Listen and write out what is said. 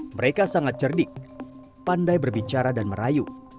mereka sangat cerdik pandai berbicara dan merayu